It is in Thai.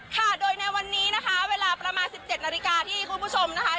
ค่ะโดยในวันนี้นะคะเวลาประมาณ๑๗นาฬิกาที่คุณผู้ชมนะคะ